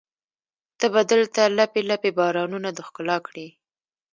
ته به دلته لپې، لپې بارانونه د ښکلا کړي